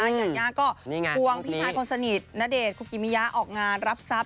ยาย่าก็ร่วงพี่ชายคนสนิทณเดชครูกีมยาออกงานรับทรัพย์